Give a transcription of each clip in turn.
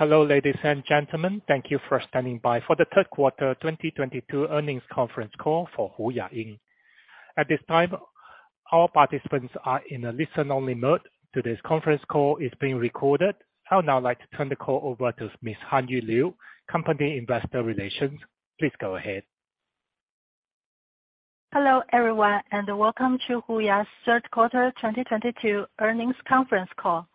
Hello, ladies and gentlemen. Thank you for standing by for the third quarter 2022 earnings conference call for HUYA Inc. At this time, all participants are in a listen-only mode. Today's conference call is being recorded. I would now like to turn the call over to Ms. Hanyu Liu, Company Investor Relations. Please go ahead. Hello, everyone, and welcome to HUYA's third quarter 2022 earnings conference call.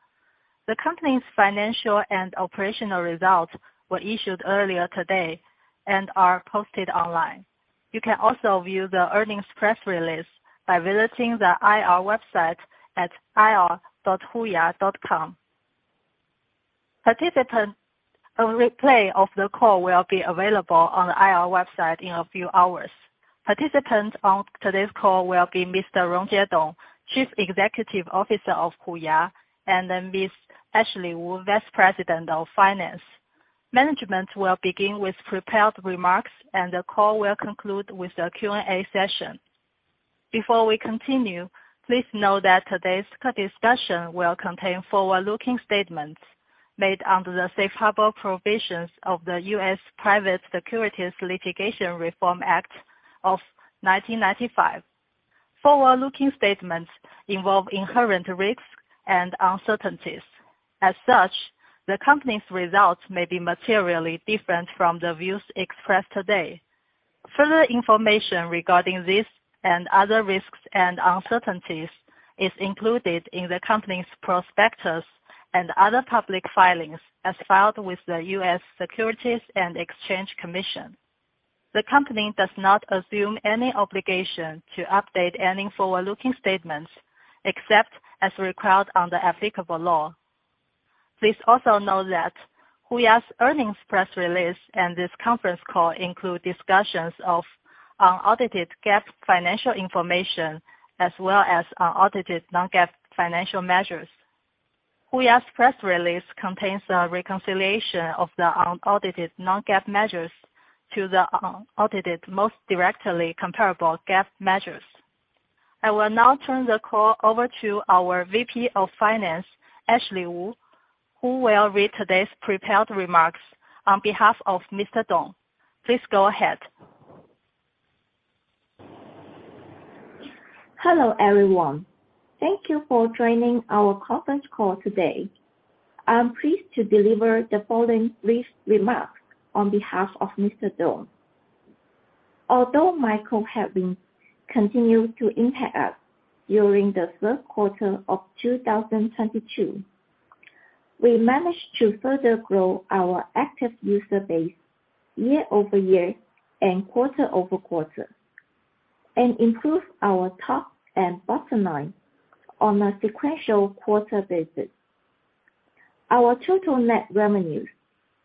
The company's financial and operational results were issued earlier today and are posted online. You can also view the earnings press release by visiting the IR website at ir.huya.com. A replay of the call will be available on the IR website in a few hours. Participants on today's call will be Mr. Rongjie Dong, Chief Executive Officer of HUYA, and then Ms. Ashley Wu, Vice President of Finance. Management will begin with prepared remarks and the call will conclude with a Q&A session. Before we continue, please note that today's discussion will contain forward-looking statements made under the safe harbor provisions of the U.S. Private Securities Litigation Reform Act of 1995. Forward-looking statements involve inherent risks and uncertainties. As such, the company's results may be materially different from the views expressed today. Further information regarding these and other risks and uncertainties is included in the company's prospectus and other public filings as filed with the U.S. Securities and Exchange Commission. The company does not assume any obligation to update any forward-looking statements except as required under applicable law. Please also note that HUYA's earnings press release and this conference call include discussions of unaudited GAAP financial information as well as unaudited non-GAAP financial measures. HUYA's press release contains a reconciliation of the unaudited non-GAAP measures to the unaudited most directly comparable GAAP measures. I will now turn the call over to our VP of Finance, Ashley Wu, who will read today's prepared remarks on behalf of Mr. Dong. Please go ahead. Hello, everyone. Thank you for joining our conference call today. I'm pleased to deliver the following brief remarks on behalf of Mr. Dong. Although macro having continued to impact us during the third quarter of 2022, we managed to further grow our active user base year-over-year and quarter-over-quarter, and improve our top and bottom line on a sequential quarter basis. Our total net revenues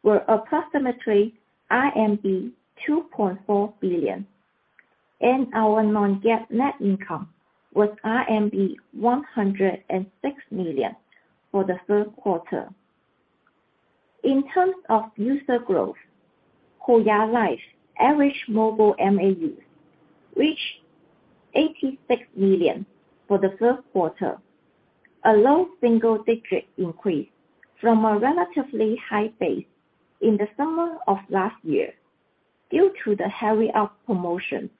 were approximately RMB 2.4 billion, and our non-GAAP net income was RMB 106 million for the third quarter. In terms of user growth, HUYA Live average mobile MAUs reached 86 million for the third quarter, a low single-digit increase from a relatively high base in the summer of last year due to the heavy ad promotions.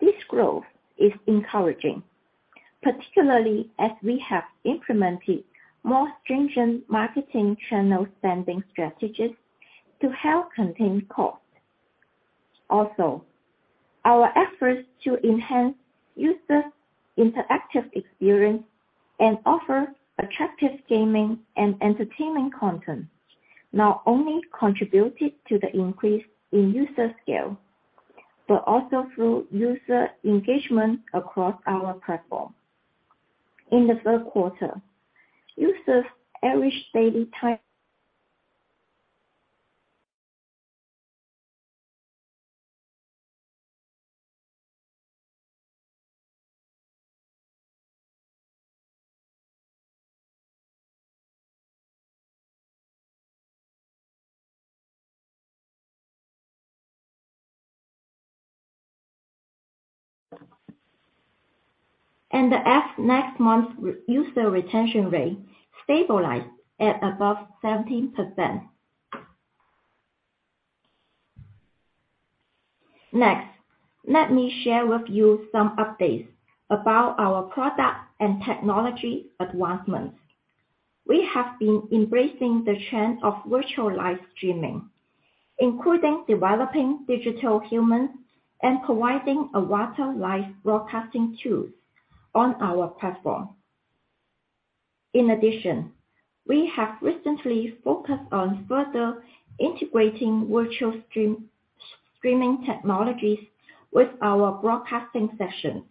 This growth is encouraging, particularly as we have implemented more stringent marketing channel spending strategies to help contain costs. Also, our efforts to enhance user interactive experience and offer attractive gaming and entertainment content not only contributed to the increase in user scale, but also through user engagement across our platform. In the third quarter, users average daily time and the app next month user retention rate stabilized at above 17%. Next, let me share with you some updates about our product and technology advancements. We have been embracing the trend of virtual live streaming, including developing digital humans and providing a virtual live broadcasting tools on our platform. In addition, we have recently focused on further integrating virtual streaming technologies with our broadcasting sessions.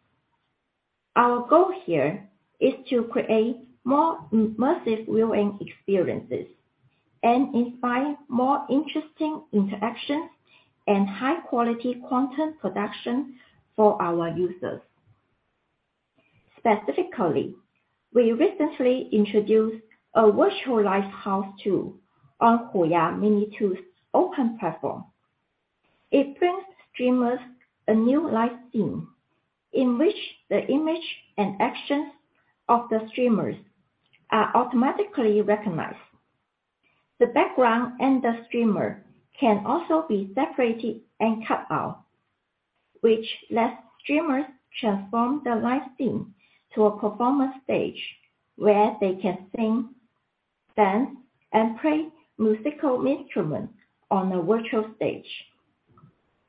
Our goal here is to create more immersive viewing experiences and inspire more interesting interactions and high-quality content production for our users. Specifically, we recently introduced a virtual live house tool on Huya Mini-program Open Platform. It brings streamers a new live scene in which the image and actions of the streamers are automatically recognized. The background and the streamer can also be separated and cut out, which lets streamers transform the live scene to a performance stage where they can sing, dance, and play musical instruments on a virtual stage.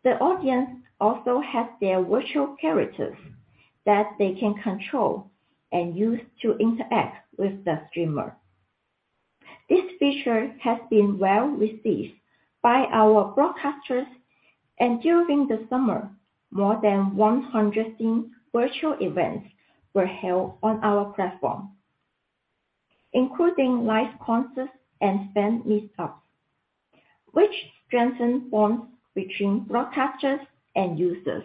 The audience also has their virtual characters that they can control and use to interact with the streamer. This feature has been well received by our broadcasters, and during the summer, more than 100 scene virtual events were held on our platform, including live concerts and fan meetups, which strengthened bonds between broadcasters and users.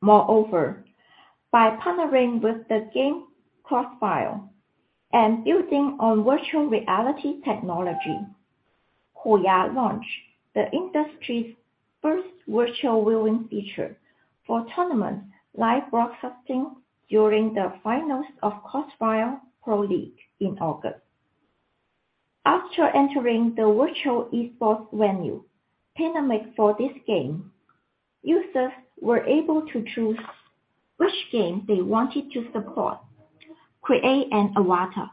Moreover, by partnering with the game CrossFire and building on virtual reality technology, HUYA launched the industry's first virtual viewing feature for tournament live broadcasting during the finals of CrossFire Pro League in August. After entering the virtual esports venue, Panic for this game, users were able to choose which game they wanted to support, create an avatar,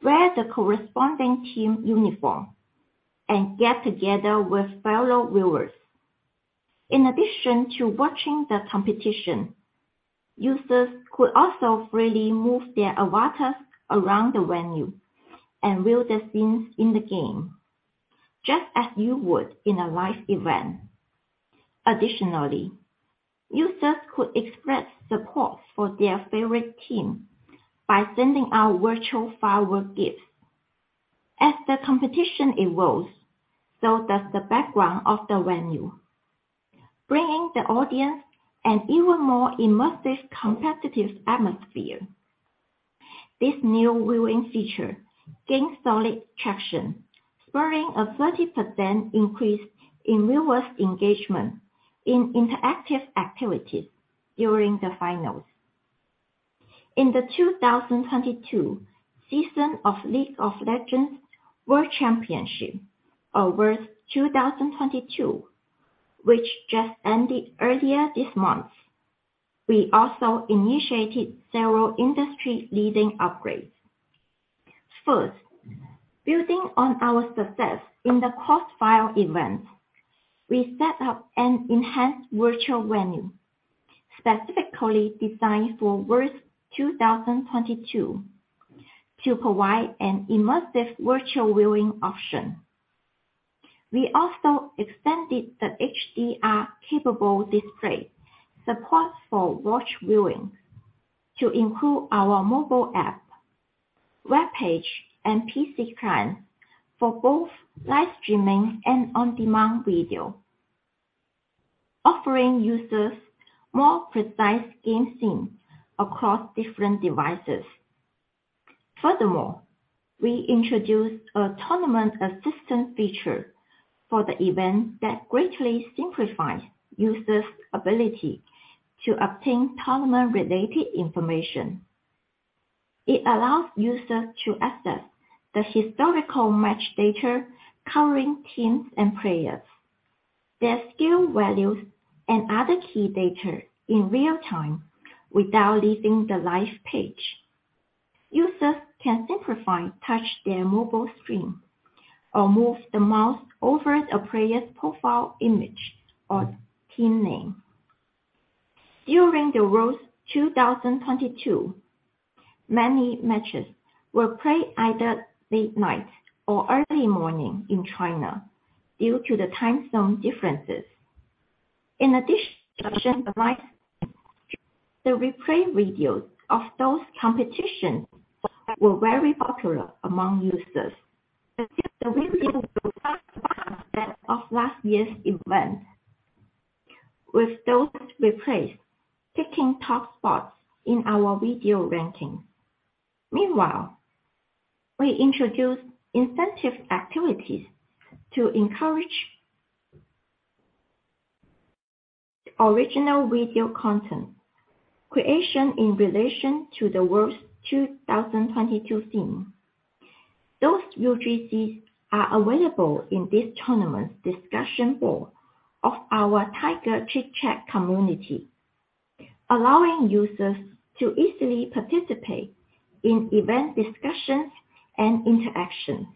wear the corresponding team uniform, and get together with fellow viewers. In addition to watching the competition, users could also freely move their avatars around the venue and view the scenes in the game just as you would in a live event. Additionally, users could express support for their favorite team by sending out virtual firework gifts. As the competition evolves, so does the background of the venue, bringing the audience an even more immersive competitive atmosphere. This new viewing feature gained solid traction, spurring a 30% increase in viewers' engagement in interactive activities during the finals. In the 2022 season of League of Legends World Championship, Worlds 2022, which just ended earlier this month, we also initiated several industry-leading upgrades. First, building on our success in the CrossFire event, we set up an enhanced virtual venue specifically designed for Worlds 2022 to provide an immersive virtual viewing option. We also extended the HDR capable display support for watching to include our mobile app, web page, and PC client for both live streaming and on-demand video, offering users more precise game scenes across different devices. Furthermore, we introduced a tournament assistant feature for the event that greatly simplifies users' ability to obtain tournament-related information. It allows users to access the historical match data covering teams and players, their skill values, and other key data in real time without leaving the live page. Users can simply touch their mobile screen, or move the mouse over a player's profile image or team name. During the Worlds 2022, many matches were played either late night or early morning in China due to the time zone differences. In addition, the replay videos of those competitions were very popular among users, the replays of last year's event with those replays taking top spots in our video ranking. Meanwhile, we introduced incentive activities to encourage original video content creation in relation to the World's 2022 theme. Those UGCs are available in this tournament's discussion board of our Tiger Chit Chat community, allowing users to easily participate in event discussions and interactions.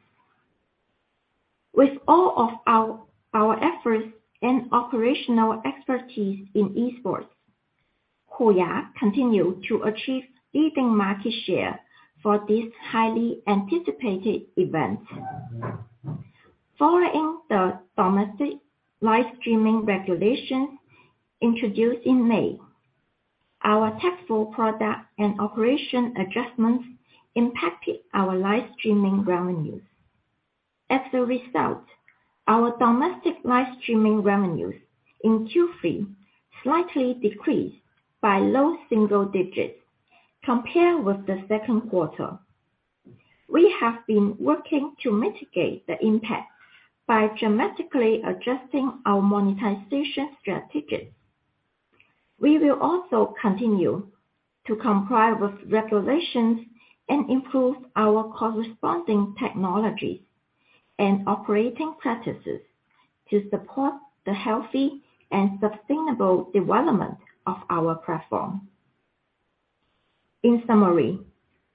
With all of our efforts and operational expertise in esports, HUYA continued to achieve leading market share for this highly anticipated event. Following the domestic live streaming regulations introduced in May, our technical product and operation adjustments impacted our live streaming revenues. As a result, our domestic live streaming revenues in Q3 slightly decreased by low single digits% compared with the second quarter. We have been working to mitigate the impact by dramatically adjusting our monetization strategies. We will also continue to comply with regulations and improve our corresponding technologies and operating practices to support the healthy and sustainable development of our platform. In summary,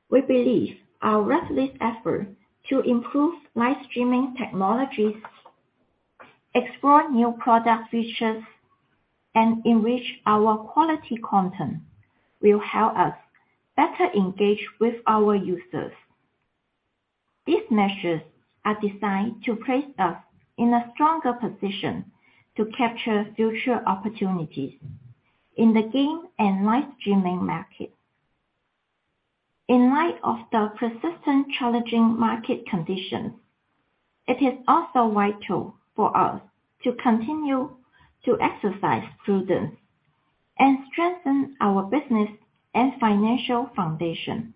we believe our relentless effort to improve live streaming technologies, explore new product features, and enrich our quality content will help us better engage with our users. These measures are designed to place us in a stronger position to capture future opportunities in the game and live streaming market. In light of the persistent challenging market conditions, it is also vital for us to continue to exercise prudence and strengthen our business and financial foundation.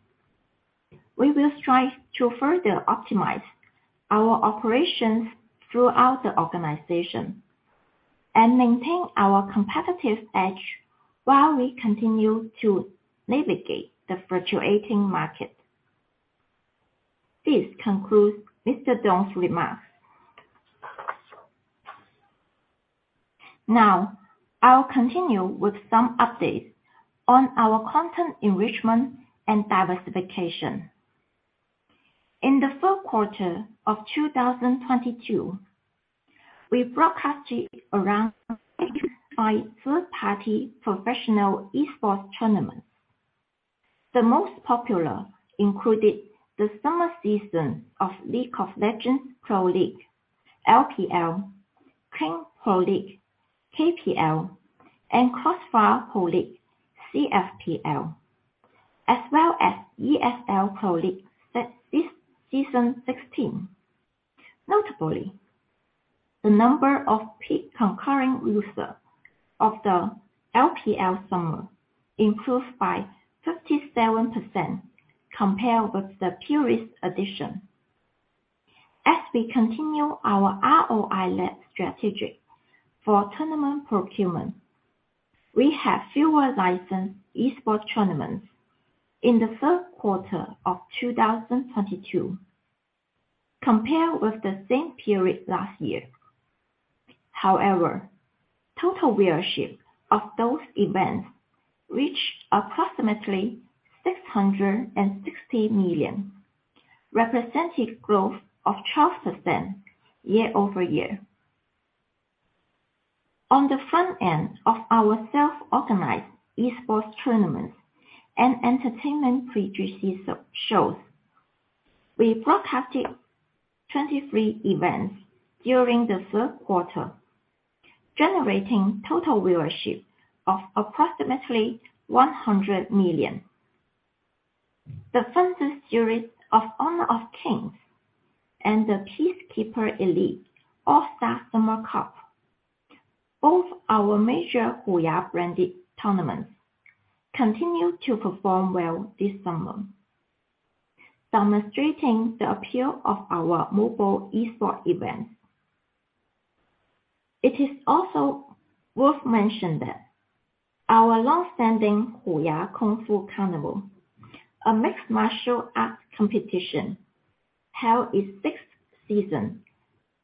We will strive to further optimize our operations throughout the organization and maintain our competitive edge while we continue to navigate the fluctuating market. This concludes Mr. Dong's remarks. Now I'll continue with some updates on our content enrichment and diversification. In the third quarter of 2022, we broadcasted around 55 third-party professional esports tournaments. The most popular included the summer season of League of Legends Pro League, LPL, King Pro League, KPL, and CrossFire Pro League, CFPL, as well as ESL Pro League Season 16. Notably, the number of peak concurrent users of the LPL summer improved by 57% compared with the previous edition. As we continue our ROI-led strategy for tournament procurement, we have fewer licensed esports tournaments in the third quarter of 2022 compared with the same period last year. However, total viewership of those events reached approximately 660 million, representing growth of 12% year-over-year. On the front end of our self-organized esports tournaments and entertainment producer shows, we broadcasted 23 events during the third quarter, generating total viewership of approximately 100 million. The Fantasy Series of Honor of Kings and the Peacekeeper Elite All-Star Summer Cup, both our major HUYA-branded tournaments, continued to perform well this summer, demonstrating the appeal of our mobile esports events. It is also worth mentioning that our long-standing Huya Kung Fu Carnival, a mixed martial arts competition, held its sixth season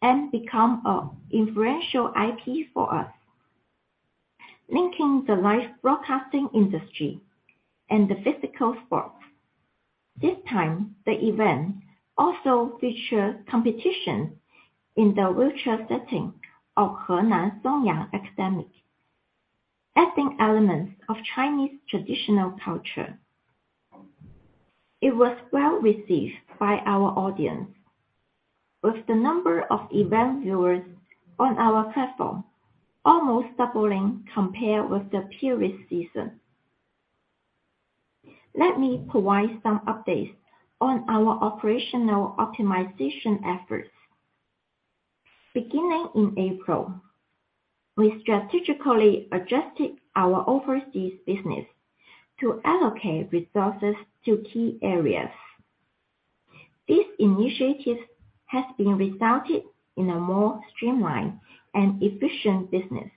and became an influential IP for us, linking the live broadcasting industry and the physical sports. This time, the event also featured competition in the virtual setting of Henan Songyang Academy, adding elements of Chinese traditional culture. It was well received by our audience, with the number of event viewers on our platform almost doubling compared with the previous season. Let me provide some updates on our operational optimization efforts. Beginning in April, we strategically adjusted our overseas business to allocate resources to key areas. This initiative has resulted in a more streamlined and efficient business,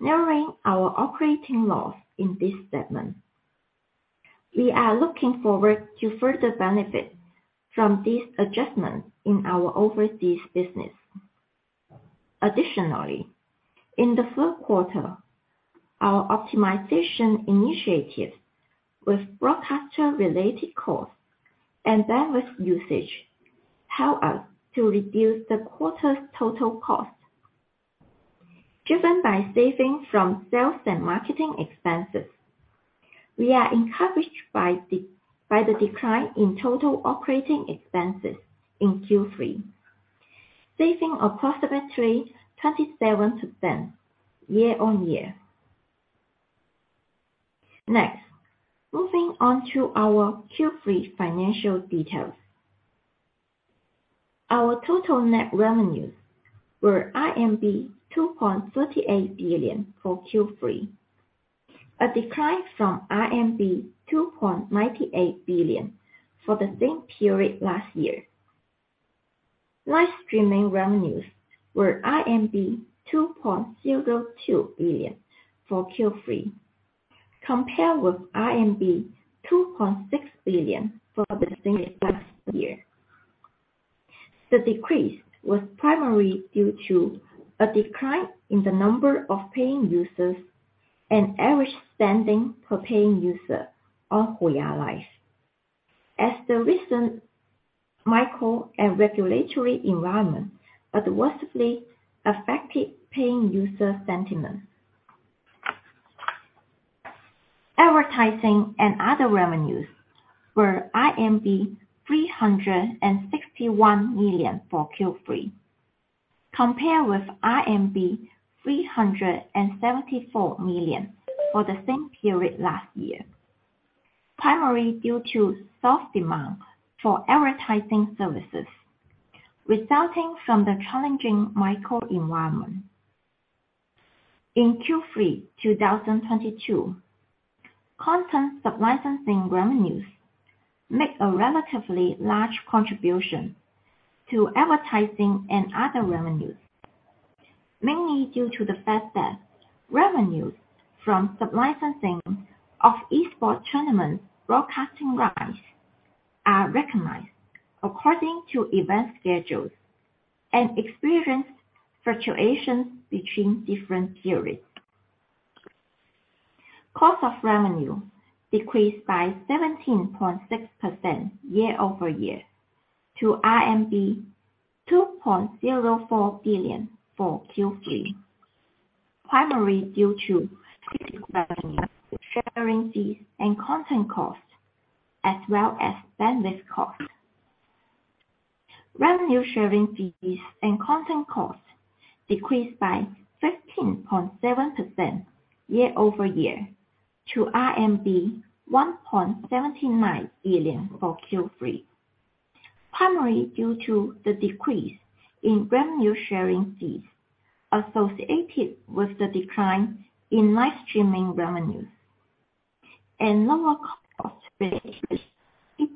narrowing our operating loss in this segment. We are looking forward to further benefiting from this adjustment in our overseas business. Additionally, in the third quarter, our optimization initiatives with broadcaster related costs and bandwidth usage help us to reduce the quarter's total cost. Driven by savings from sales and marketing expenses, we are encouraged by the decline in total operating expenses in Q3, saving approximately 27% year-on-year. Next, moving on to our Q3 financial details. Our total net revenues were 2.38 billion for Q3, a decline from 2.98 billion for the same period last year. Live streaming revenues were 2.02 billion for Q3, compared with 2.6 billion for the same period last year. The decrease was primarily due to a decline in the number of paying users and average spending per paying user on HUYA Live, as the recent macro and regulatory environment adversely affected paying user sentiment. Advertising and other revenues were 361 million for Q3, compared with 374 million for the same period last year, primarily due to soft demand for advertising services resulting from the challenging macro environment. In Q3 2022, content sub-licensing revenues make a relatively large contribution to advertising and other revenues, mainly due to the fact that revenues from sub-licensing of esports tournaments broadcasting rights are recognized according to event schedules and experience fluctuations between different periods. Cost of revenue decreased by 17.6% year-over-year to RMB 2.04 billion for Q3, primarily due to revenue sharing fees and content costs, as well as bandwidth costs. Revenue sharing fees and content costs decreased by 15.7% year-over-year to RMB 1.79 billion for Q3, primarily due to the decrease in revenue sharing fees associated with the decline in live streaming revenues and lower costs. The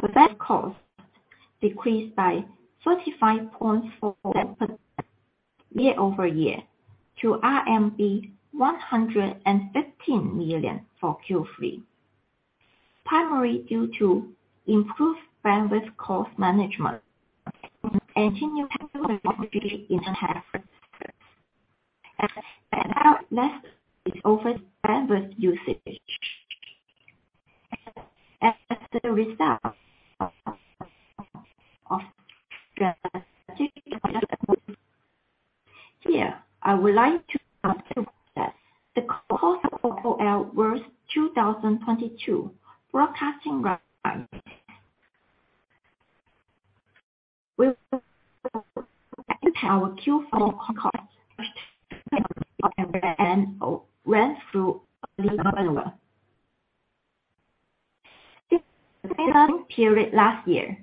bandwidth costs decreased by 35.4% year-over-year to RMB 115 million for Q3, primarily due to improved bandwidth cost management and continued decrease in overall bandwidth usage. Here, I would like to note the cost of LOL broadcasting in 2022 with our Q4 and ran through the period last year.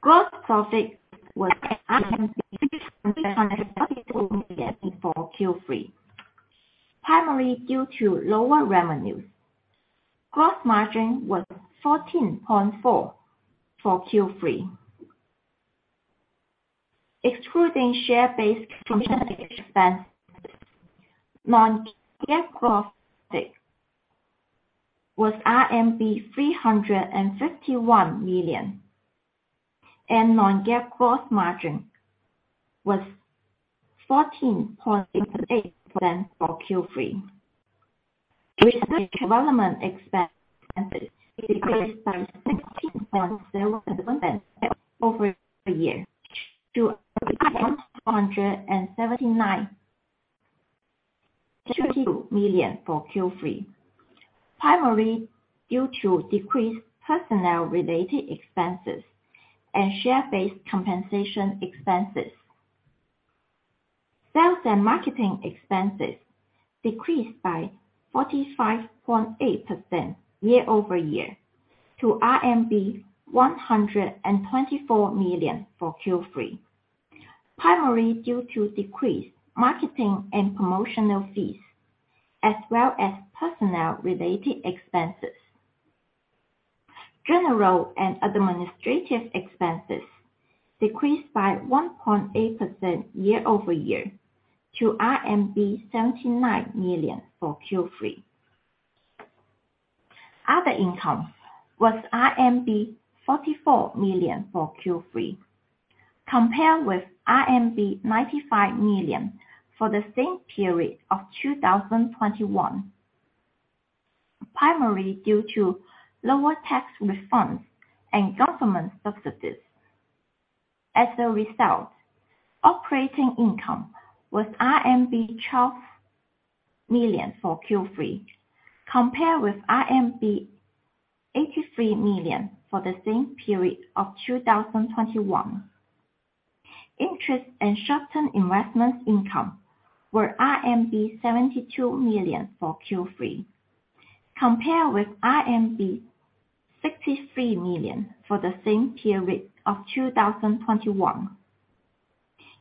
Gross profit was lower for Q3, primarily due to lower revenues. Gross margin was 14.4% for Q3. Excluding share-based non-GAAP gross profit was RMB 351 million, and non-GAAP gross margin was 14.6% for Q3. Research and development expense decreased by 16.0% year-over-year to RMB 279 million for Q3, primarily due to decreased personnel-related expenses and share-based compensation expenses. Sales and marketing expenses decreased by 45.8% year-over-year to RMB 124 million for Q3, primarily due to decreased marketing and promotional fees, as well as personnel-related expenses. General and administrative expenses decreased by 1.8% year-over-year to RMB 79 million for Q3. Other income was RMB 44 million for Q3, compared with RMB 95 million for the same period of 2021, primarily due to lower tax refunds and government subsidies. As a result, operating income was RMB 12 million for Q3, compared with RMB 83 million for the same period of 2021. Interest and short-term investment income were RMB 72 million for Q3, compared with RMB 63 million for the same period of 2021.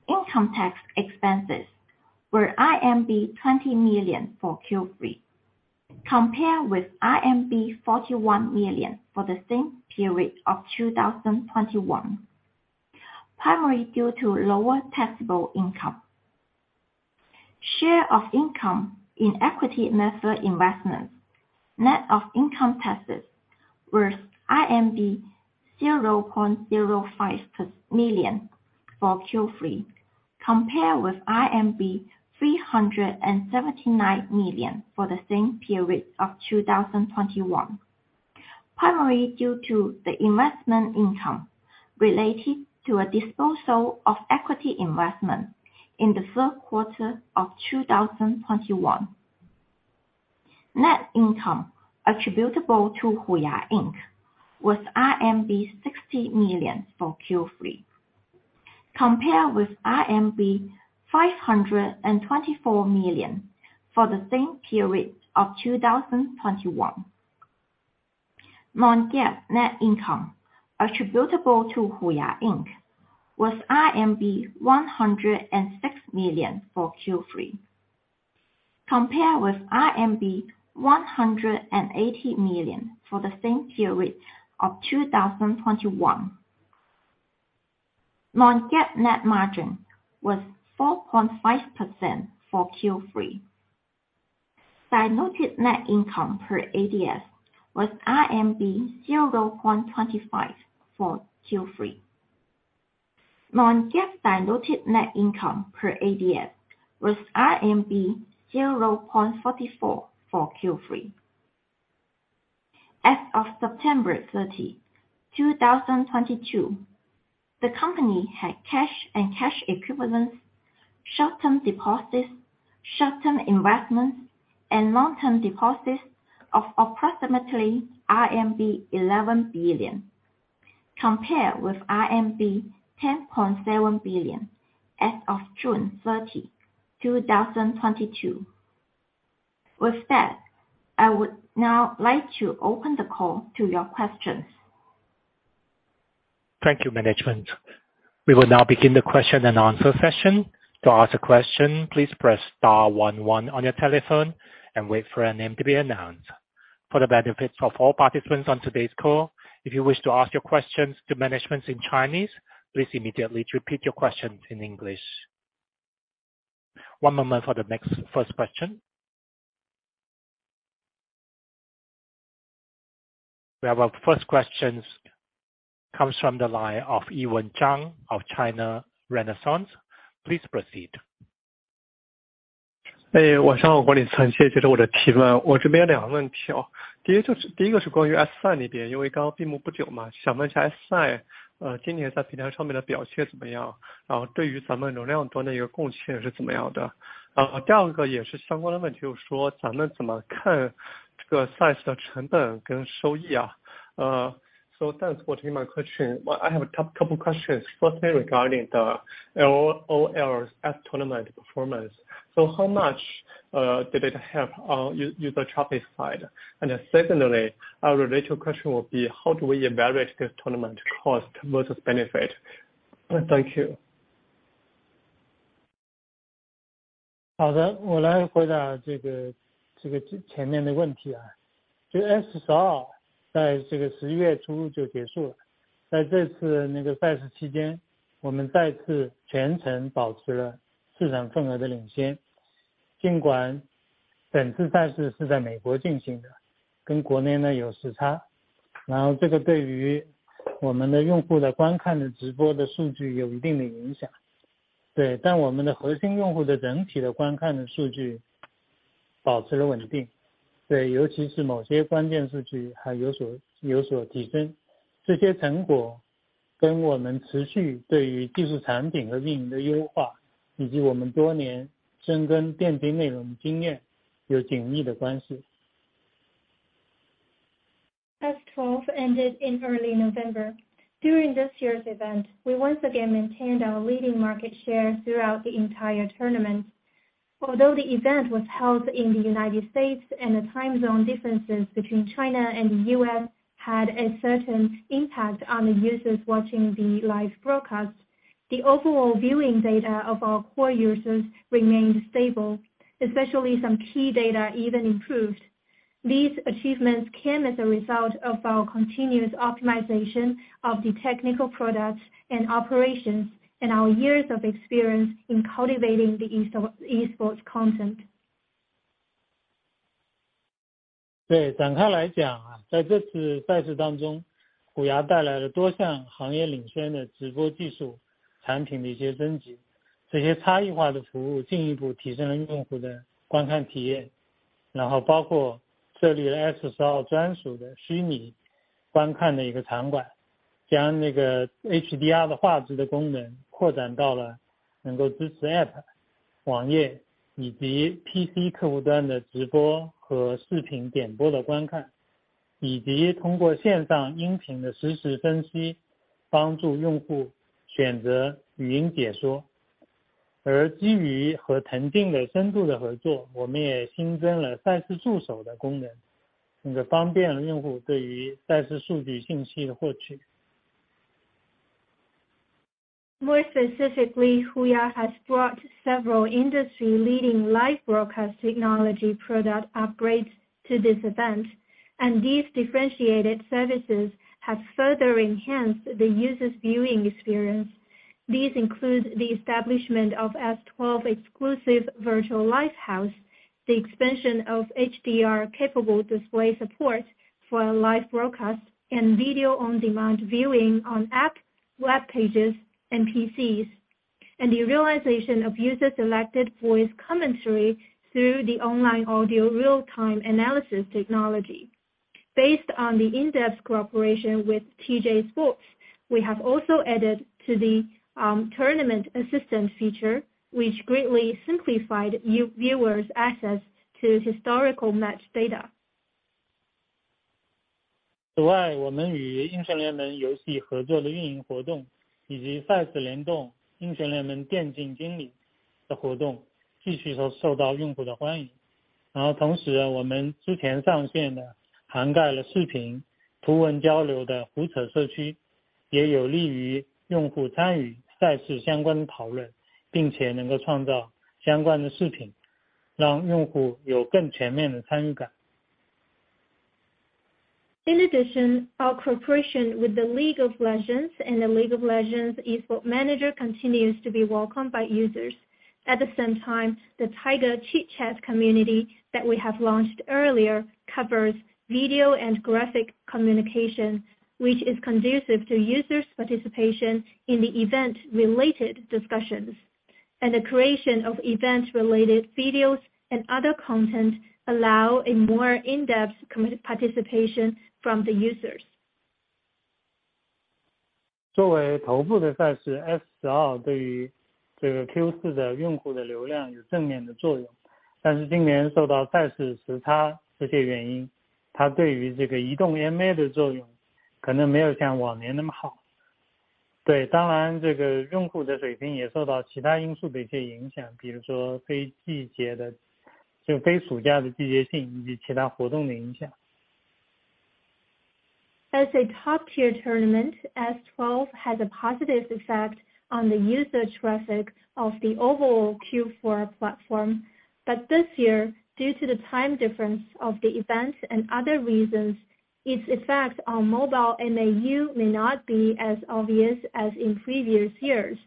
Income tax expenses were 20 million for Q3, compared with 41 million for the same period of 2021, primarily due to lower taxable income. Share of income in equity method investments, net of income taxes, was 0.05 million for Q3, compared with 379 million for the same period of 2021, primarily due to the investment income related to a disposal of equity investment in the third quarter of 2021. Net income attributable to HUYA Inc., was RMB 60 million for Q3, compared with RMB 524 million for the same period of 2021. Non-GAAP net income attributable to HUYA Inc. was RMB 106 million for Q3, compared with RMB 180 million for the same period of 2021. Non-GAAP net margin was 4.5% for Q3. Diluted net income per ADS was RMB 0.25 for Q3. Non-GAAP diluted net income per ADS was RMB 0.44 for Q3. As of September 30, 2022, the company had cash and cash equivalents, short-term deposits, short-term investments, and long-term deposits of approximately RMB 11 billion, compared with RMB 10.7 billion as of June 30, 2022. With that, I would now like to open the call to your questions. Thank you, management. We will now begin the question and answer session. To ask a question, please press star one one on your telephone and wait for your name to be announced. For the benefit of all participants on today's call, if you wish to ask your questions to management in Chinese, please immediately repeat your questions in english. One moment for the first question. We have our first question, comes from the line of Yiwen Zhang of China Renaissance. Please proceed. Hey, thanks for taking my question. Well, I have a couple questions. Firstly, regarding the LPL's tournament performance. How much did it help on user traffic side? Secondly, a related question will be how do we evaluate this tournament cost versus benefit? Thank you. S12 ended in early November. During this year's event, we once again maintained our leading market share throughout the entire tournament. Although the event was held in the United States and the time zone differences between China and the U.S. had a certain impact on the users watching the live broadcast, the overall viewing data of our core users remained stable, especially some key data even improved. These achievements came as a result of our continuous optimization of the technical products and operations, and our years of experience in cultivating the esports content. More specifically, HUYA has brought several industry leading live broadcast technology product upgrades to this event, and these differentiated services have further enhanced the user's viewing experience. These include the establishment of S12 exclusive virtual live house, the expansion of HDR capable display support for live broadcast and video on demand viewing on app, web pages and PCs, and the realization of user selected voice commentary through the online audio real-time analysis technology. Based on the in-depth cooperation with TJ Sports, we have also added to the tournament assistant feature, which greatly simplified viewers' access to historical match data. 此外，我们与英雄联盟游戏合作的运营活动，以及赛事联动英雄联盟电竞经理的活动继续受到用户的欢迎。同时，我们之前上线的涵盖了视频、图文交流的虎扯社区，也有利于用户参与赛事相关的讨论，并且能够创造相关的视频，让用户有更全面的参与感。In addition, our cooperation with the League of Legends and the League of Legends Esports Manager continues to be welcomed by users. At the same time, the Tiger Chit Chat community that we have launched earlier covers video and graphic communication, which is conducive to users' participation in the event-related discussions. The creation of events-related videos and other content allow a more in-depth community participation from the users. 作为头部的赛事，S12对于这个Q4的用户的流量有正面的作用，但是今年受到赛事时差这些原因，它对于这个移动MAU的作用可能没有像往年那么好。对，当然这个用户的水平也受到其他因素的一些影响，比如说非季节的，就非暑假的季节性以及其他活动的影响。As a top tier tournament, S12 has a positive effect on the user traffic of the overall Q4 platform. This year, due to the time difference of the events and other reasons, its effect on mobile MAU may not be as obvious as in previous years.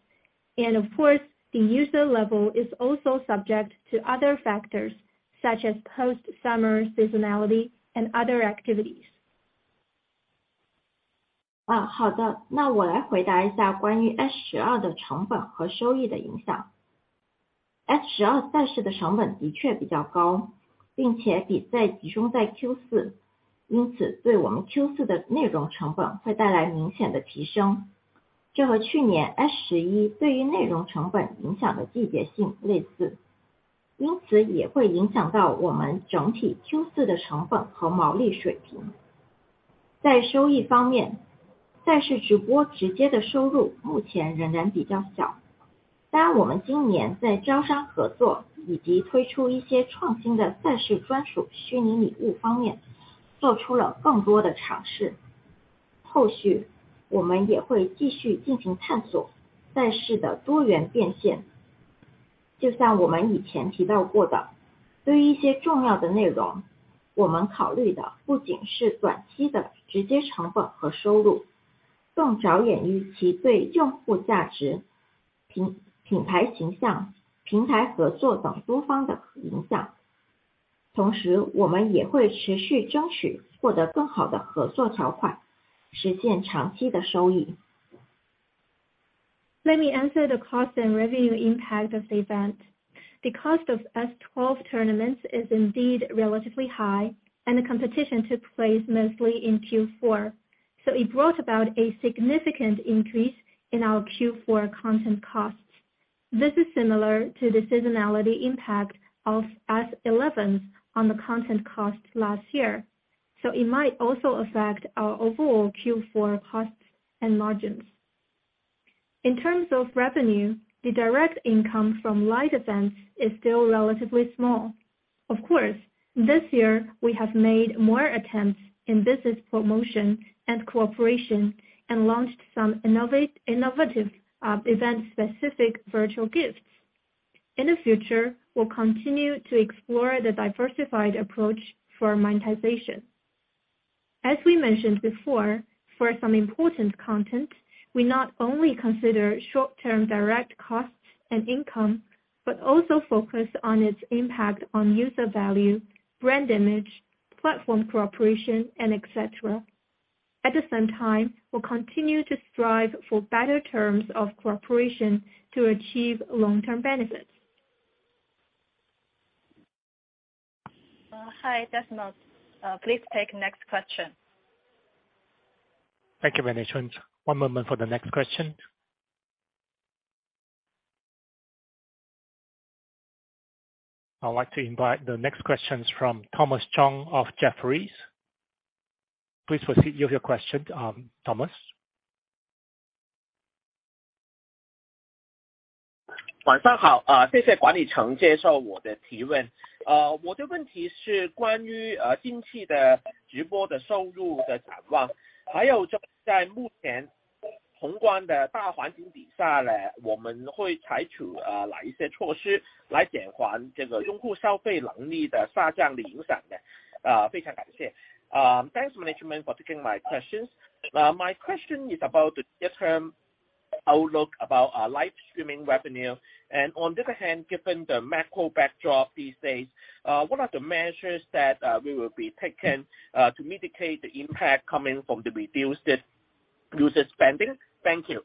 Of course, the user level is also subject to other factors, such as post summer seasonality and other activities. Let me answer the cost and revenue impact of the event. The cost of S12 tournaments is indeed relatively high, and the competition took place mostly in Q4, so it brought about a significant increase in our Q4 content costs. This is similar to the seasonality impact of S11 on the content costs last year, so it might also affect our overall Q4 costs and margins. In terms of revenue, the direct income from live events is still relatively small. Of course, this year we have made more attempts in business promotion and cooperation and launched some innovative event specific virtual gifts. In the future, we'll continue to explore the diversified approach for monetization. As we mentioned before, for some important content, we not only consider short term direct costs and income, but also focus on its impact on user value, brand image, platform cooperation and et cetera. At the same time, we'll continue to strive for better terms of cooperation to achieve long-term benefits. Hi, Desmond. Please take next question. Thank you very much. One moment for the next question. I'd like to invite the next questions from Thomas Chong of Jefferies. Please proceed with your question, Thomas. Thanks, management, for taking my questions. My question is about the near-term outlook about live streaming revenue. On the other hand, given the macro backdrop these days, what are the measures that we will be taking to mitigate the impact coming from the reduced user spending? Thank you.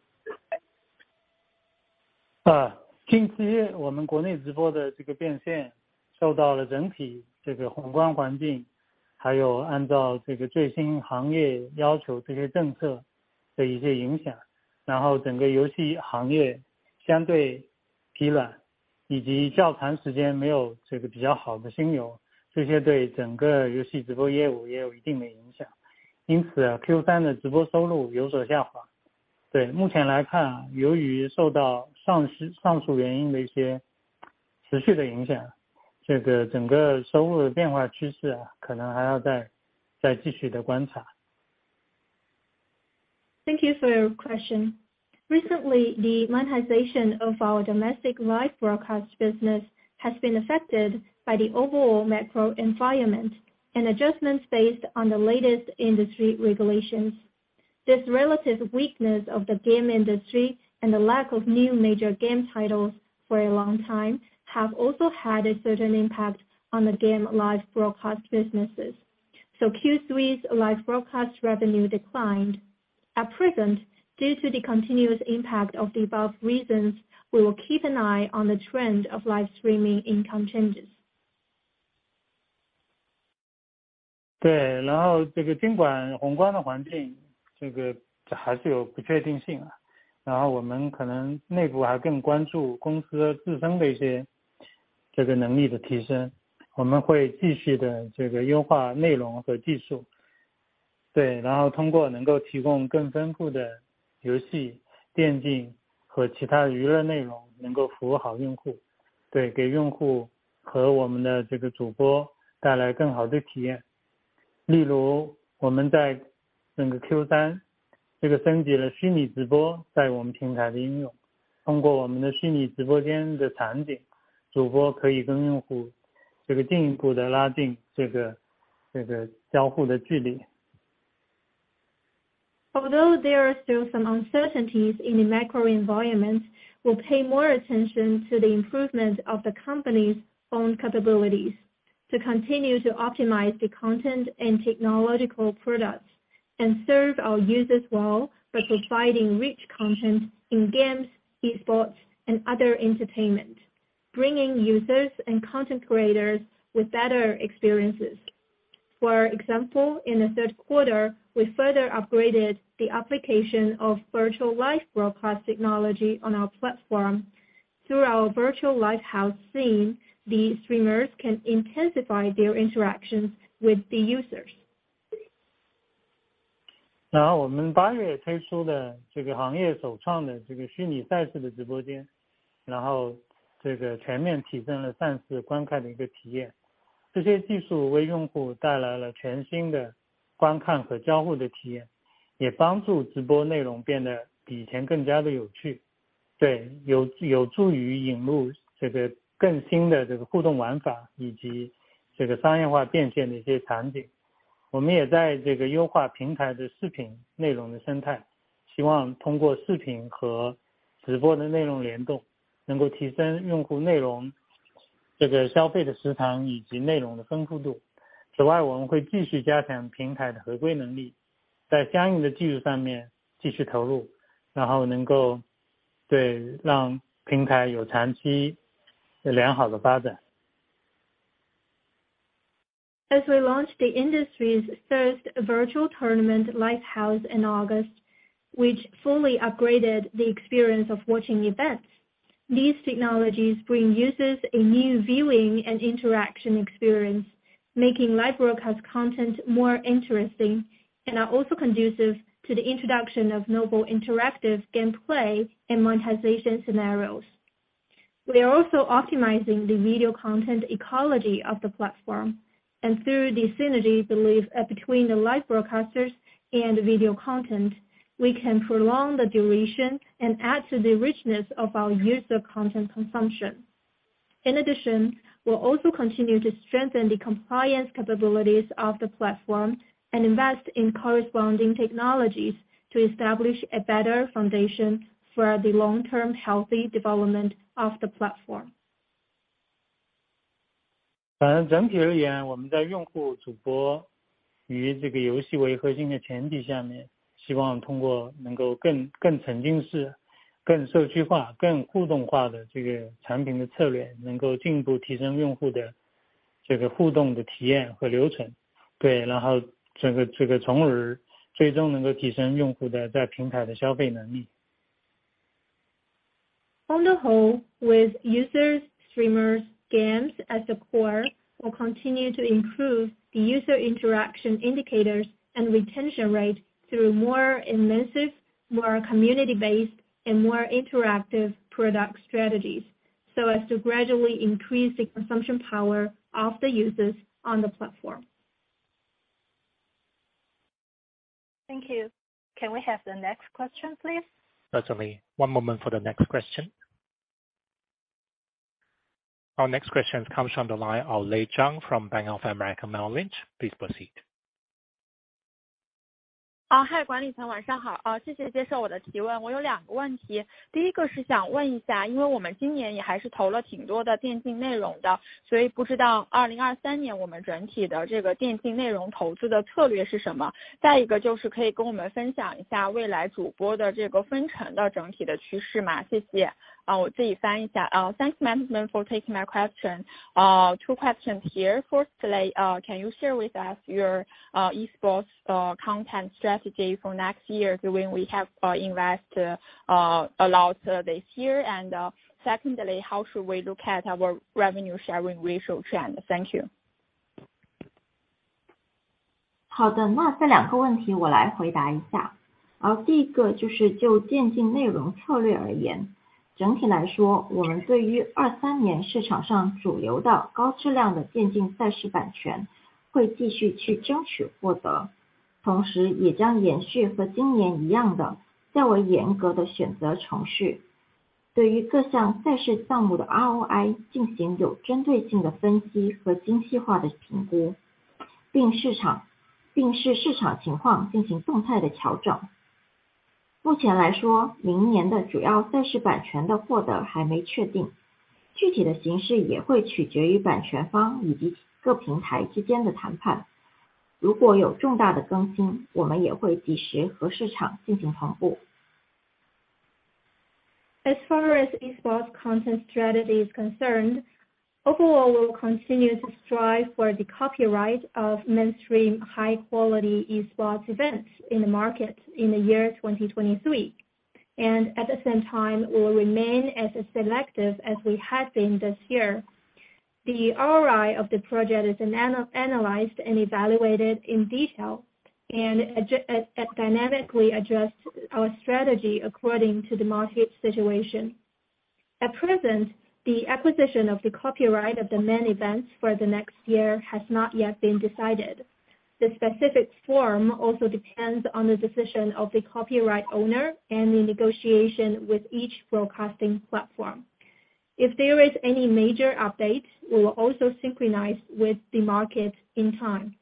Thank you for your question. Recently, the monetization of our domestic live broadcast business has been affected by the overall macro environment and adjustments based on the latest industry regulations. This relative weakness of the game industry and the lack of new major game titles for a long time have also had a certain impact on the game live broadcast businesses. Q3's live broadcast revenue declined. At present, due to the continuous impact of the above reasons, we will keep an eye on the trend of live streaming income changes. Although there are still some uncertainties in the macro environment, we'll pay more attention to the improvement of the company's own capabilities. To continue to optimize the content and technological products and serve our users well by providing rich content in games, esports, and other entertainment, bringing users and content creators with better experiences. For example, in the third quarter, we further upgraded the application of virtual live broadcast technology on our platform. Through our virtual live house scene, the streamers can intensify their interactions with the users. We launched the industry's first virtual tournament, Lighthouse, in August, which fully upgraded the experience of watching events. These technologies bring users a new viewing and interaction experience, making live broadcast content more interesting, and are also conducive to the introduction of novel interactive gameplay and monetization scenarios. We are also optimizing the video content ecology of the platform, and through the synergy between the live broadcasters and video content, we can prolong the duration and add to the richness of our user content consumption. In addition, we'll also continue to strengthen the compliance capabilities of the platform and invest in corresponding technologies to establish a better foundation for the long-term healthy development of the platform. 反正整体而言，我们在用户主播与这个游戏为核心的前提下面，希望通过能够更沉浸式、更社区化、更互动化的这个产品的策略，能够进一步提升用户的这个互动的体验和流程。然后这个从而最终能够提升用户的在平台的消费能力。On the whole, with users, streamers, games as the core, we'll continue to improve the user interaction indicators and retention rates through more immersive, more community-based, and more interactive product strategies, so as to gradually increase the consumption power of the users on the platform. Thank you. Can we have the next question please? Certainly. One moment for the next question. Our next question comes from the line of Lei Zhang from Bank of America Merrill Lynch. Please proceed. 好，hi，管理层晚上好，谢谢接受我的提问。我有两个问题，第一个是想问一下，因为我们今年也还是投了挺多的电竞内容的，所以不知道2023年我们整体的这个电竞内容投资的策略是什么。再一个就是可以跟我们分享一下未来主播的这个分成到整体的趋势吗？谢谢。我自己翻译一下。Thanks management for taking my question. Two questions here. Firstly, can you share with us your esports content strategy for next year given we have invested a lot this year, and secondly, how should we look at our revenue sharing ratio trend? Thank you. As far as e-sports content strategy is concerned, overall, we will continue to strive for the copyright of mainstream high quality e-sports events in the market in the year 2023. At the same time will remain as selective as we have been this year. The ROI of the project is analyzed and evaluated in detail and dynamically adjust our strategy according to the market situation. At present, the acquisition of the copyright of the main events for the next year has not yet been decided. The specific form also depends on the decision of the copyright owner and the negotiation with each broadcasting platform. If there is any major updates, we will also synchronize with the market in time.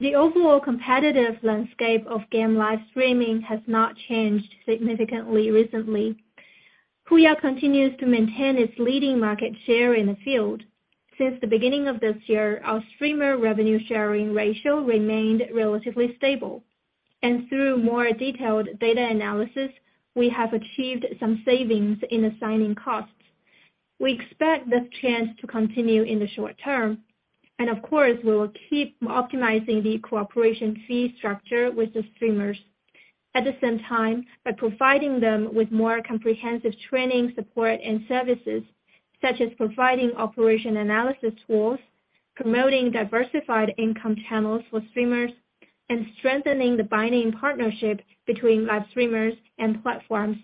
The overall competitive landscape of game live streaming has not changed significantly recently. Huya continues to maintain its leading market share in the field. Since the beginning of this year, our streamer revenue sharing ratio remained relatively stable. Through more detailed data analysis, we have achieved some savings in assigning costs. We expect this trend to continue in the short term, and of course, we will keep optimizing the cooperation fee structure with the streamers. At the same time, by providing them with more comprehensive training, support, and services, such as providing operation analysis tools, promoting diversified income channels for streamers, and strengthening the binding partnership between live streamers and platforms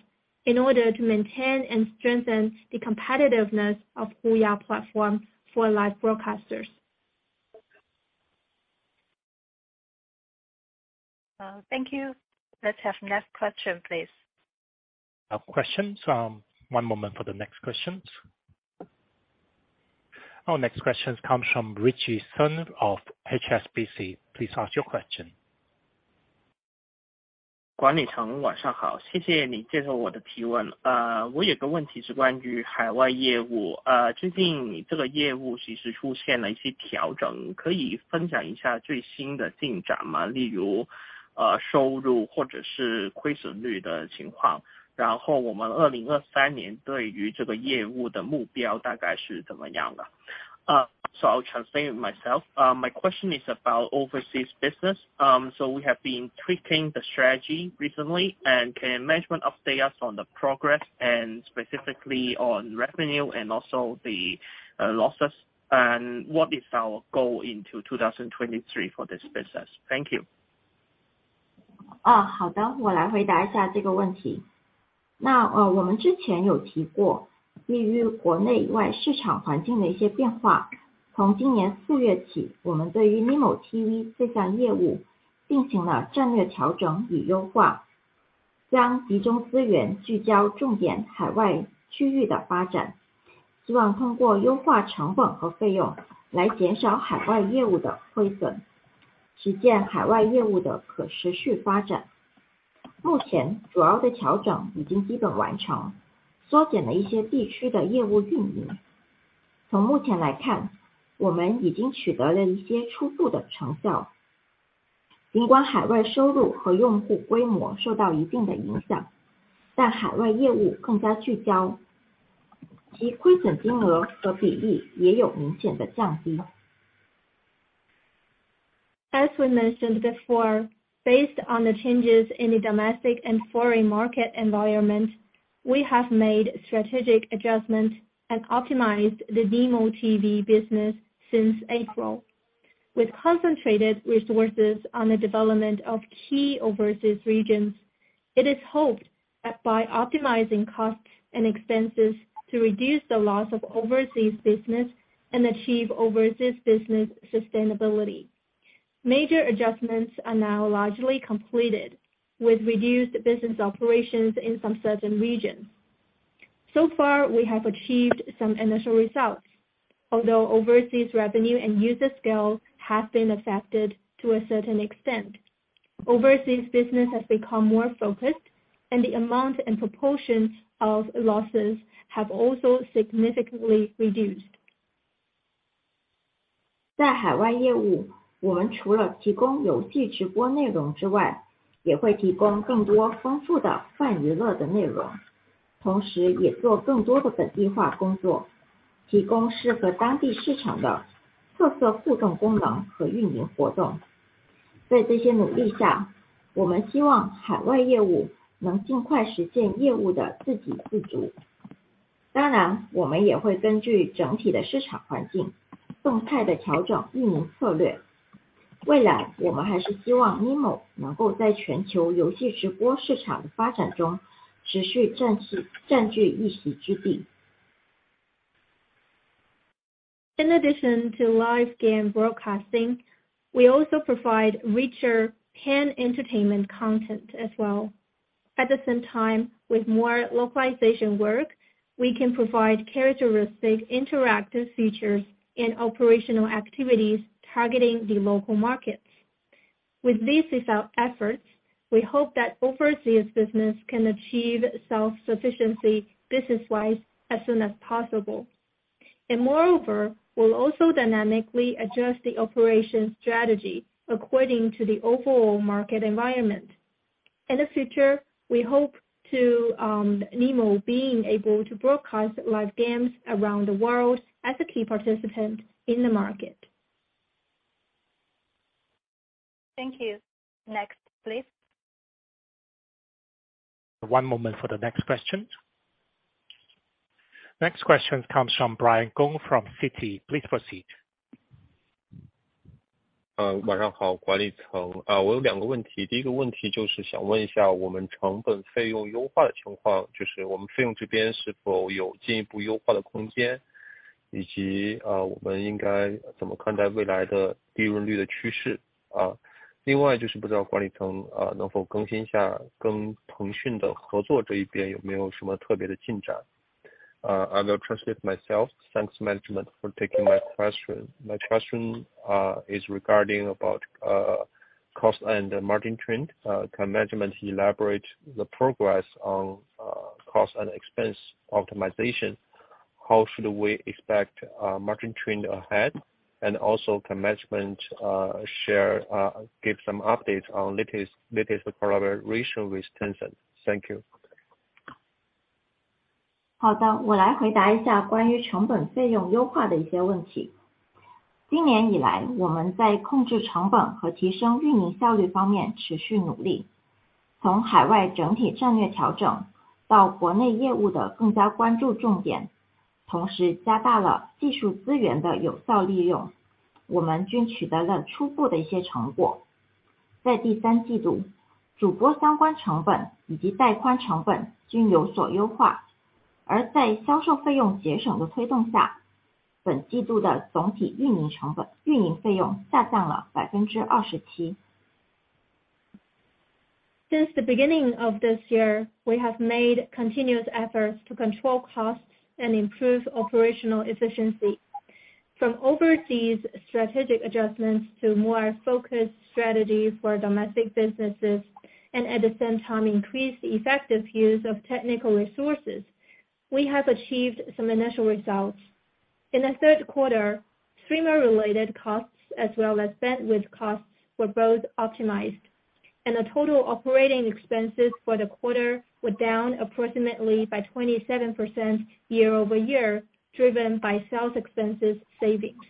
in order to maintain and strengthen the competitiveness of Huya platform for live broadcasters. Thank you. Let's have next question, please. Questions, one moment for the next questions. Our next question comes from Ritchie Sun of HSBC. Please ask your question. I'll translate it myself. My question is about overseas business. We have been tweaking the strategy recently. Can management update us on the progress and specifically on revenue and also the losses? What is our goal into 2023 for this business? Thank you. TV这项业务进行了战略调整与优化，将集中资源聚焦重点海外区域的发展，希望通过优化成本和费用来减少海外业务的亏损，实现海外业务的可持续发展。目前主要的调整已经基本完成，缩减了一些地区的业务运营。从目前来看，我们已经取得了一些初步的成效。尽管海外收入和用户规模受到一定的影响，但海外业务更加聚焦，其亏损金额和比例也有明显的降低。As we mentioned before, based on the changes in the domestic and foreign market environment, we have made strategic adjustments and optimized the Nimo TV business since April. With concentrated resources on the development of key overseas regions, it is hoped that by optimizing costs and expenses to reduce the loss of overseas business and achieve overseas business sustainability. Major adjustments are now largely completed with reduced business operations in some certain regions. So far, we have achieved some initial results, although overseas revenue and user scale have been affected to a certain extent. Overseas business has become more focused, and the amount and proportion of losses have also significantly reduced. 在海外业务，我们除了提供游戏直播内容之外，也会提供更多丰富的泛娱乐的内容，同时也做更多的本地化工作，提供适合当地市场的特色互动功能和运营活动。在这些努力下，我们希望海外业务能尽快实现业务的自给自足。当然，我们也会根据整体的市场环境，动态地调整运营策略。未来我们还是希望Nimo能够在全球游戏直播市场的发展中持续占据一席之地。In addition to live game broadcasting, we also provide richer pan-entertainment content as well. At the same time, with more localization work, we can provide characteristic interactive features and operational activities targeting the local markets. With these effort, we hope that overseas business can achieve self-sufficiency business-wise as soon as possible. Moreover, we'll also dynamically adjust the operation strategy according to the overall market environment. In the future, we hope to, Nimo being able to broadcast live games around the world as a key participant in the market. Thank you. Next, please. One moment for the next question. Next question comes from Brian Gong from Citi. Please proceed. 晚上好，管理层。我有两个问题，第一个问题就是想问一下我们成本费用优化的情况，就是我们费用这边是否有进一步优化的空间，以及我们应该怎么看待未来的利润率的趋势？另外就是不知道管理层能否更新一下，跟腾讯的合作这一边有没有什么特别的进展。I will translate myself. Thanks, management for taking my question. My question is regarding about cost and margin trend. Can management elaborate the progress on cost and expense optimization? How should we expect margin trend ahead? Also, can management give some updates on latest collaboration with Tencent? Thank you. 好的，我来回答一下关于成本费用优化的一些问题。今年以来，我们在控制成本和提升运营效率方面持续努力。从海外整体战略调整到国内业务的更加关注重点，同时加大了技术资源的有效利用，我们均取得了初步的一些成果。在第三季度，主播相关成本以及带宽成本均有所优化，而在销售费用节省的推动下，本季度的总体运营成本，运营费用下降了27%。Since the beginning of this year, we have made continuous efforts to control costs and improve operational efficiency. From overseas strategic adjustments to more focused strategies for domestic businesses, and at the same time increase the effective use of technical resources. We have achieved some initial results. In the third quarter, streamer-related costs as well as bandwidth costs were both optimized. The total operating expenses for the quarter were down approximately by 27% year-over-year, driven by sales expenses savings.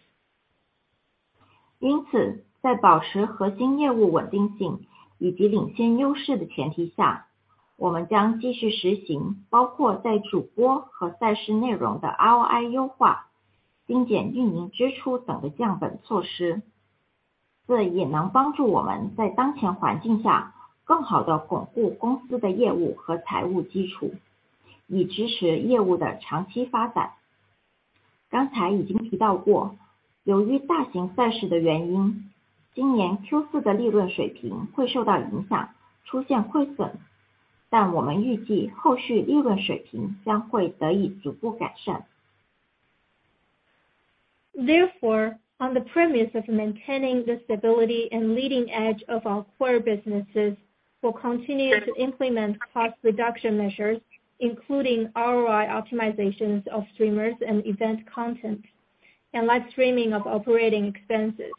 因此，在保持核心业务稳定性以及领先优势的前提下，我们将继续实行包括在主播和赛事内容的ROI优化、精简运营支出等的降本措施。这也能帮助我们在当前环境下更好地巩固公司的业务和财务基础，以支持业务的长期发展。刚才已经提到过，由于大型赛事的原因，今年Q4的利润水平会受到影响，出现亏损，但我们预计后续利润水平将会得以逐步改善。Therefore, on the premise of maintaining the stability and leading edge of our core businesses, we'll continue to implement cost reduction measures, including ROI optimizations of streamers and event content and live streaming of operating expenses.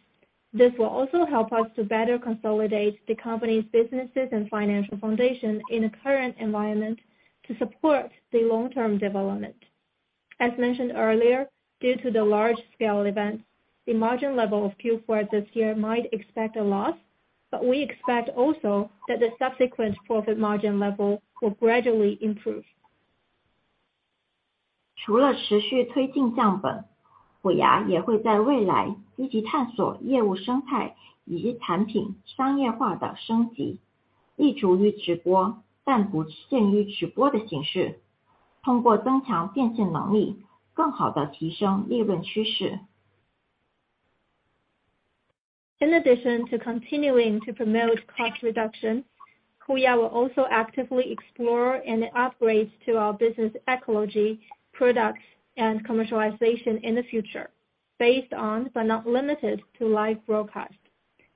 This will also help us to better consolidate the company's businesses and financial foundation in the current environment to support the long term development. As mentioned earlier, due to the large scale events, the margin level of Q4 this year might expect a loss, but we expect also that the subsequent profit margin level will gradually improve. 除了持续推进降本，虎牙也会在未来积极探索业务生态以及产品商业化的升级，立足于直播，但不限于直播的形式，通过增强变现能力，更好地提升利润趋势。在 addition to continuing to promote cost reduction, HUYA will also actively explore and upgrade to our business ecology, products and commercialization in the future. Based on, but not limited to live broadcast.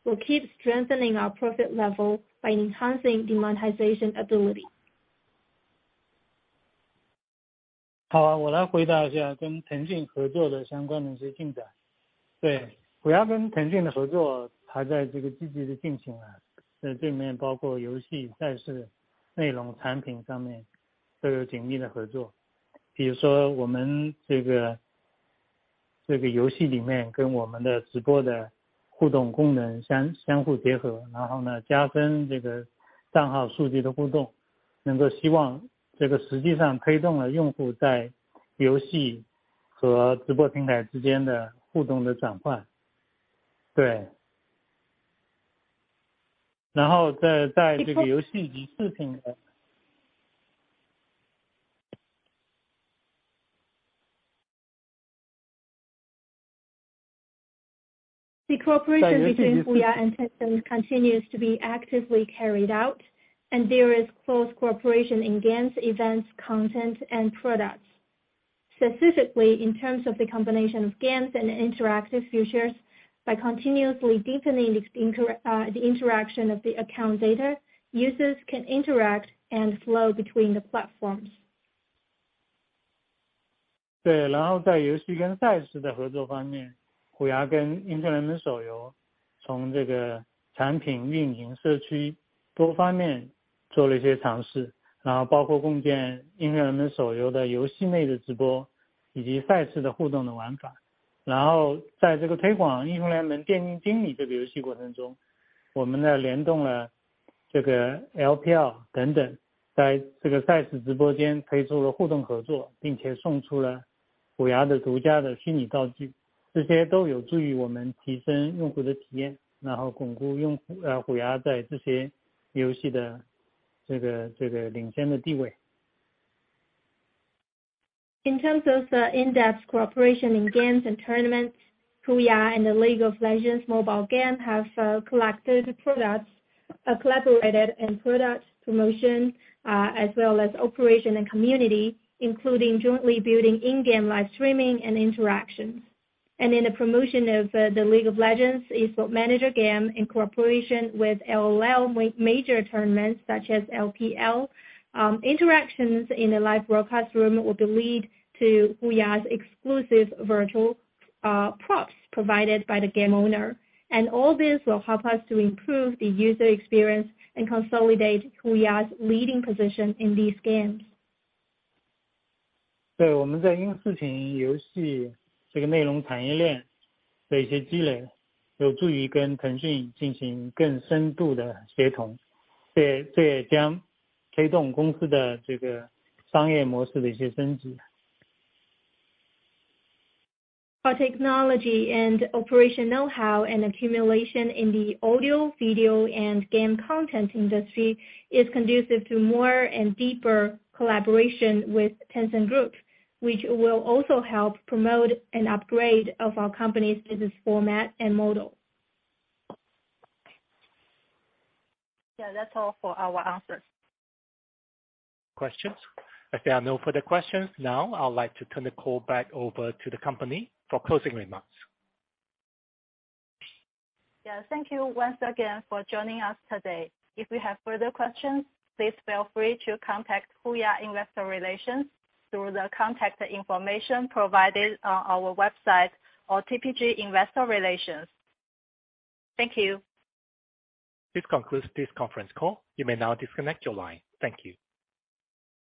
We'll keep strengthening our profit level by enhancing monetization ability. The cooperation between HUYA and Tencent continues to be actively carried out, and there is close cooperation in games, events, content and products. Specifically in terms of the combination of games and interactive features by continuously deepening the interaction of the account data, users can interact and flow between the platforms. In terms of the in-depth cooperation in games and tournaments, HUYA and the League of Legends: Wild Rift have collectible products, collaborated and product promotion, as well as operation and community, including jointly building in-game live streaming and interactions, and in the promotion of the League of Legends Esports Manager game, in cooperation with LOL major tournaments such as LPL, interactions in the live broadcast room will lead to HUYA's exclusive virtual props provided by the game owner. All this will help us to improve the user experience and consolidate HUYA's leading position in these games. 对我们在音视频游戏这个内容产业链的一些积累，有助于跟腾讯进行更深度的协同，这也将推动公司的这个商业模式的一些升级。Our technology and operation know-how and accumulation in the audio, video and game content industry is conducive to more and deeper collaboration with Tencent Group, which will also help promote an upgrade of our company's business format and model. Yeah, that's all for our answers. Questions. If there are no further questions, now I would like to turn the call back over to the company for closing remarks. Yeah, thank you once again for joining us today. If you have further questions, please feel free to contact HUYA Investor Relations through the contact information provided on our website or Piacente Financial Communications. Thank you. This concludes this conference call. You may now disconnect your line. Thank you.